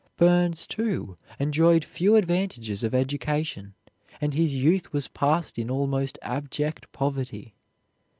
Burns, too, enjoyed few advantages of education, and his youth was passed in almost abject poverty.